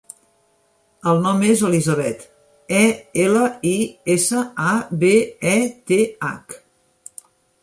El nom és Elisabeth: e, ela, i, essa, a, be, e, te, hac.